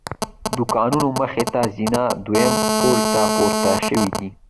د دوکانونو مخې ته زینه دویم پوړ ته پورته شوې ده.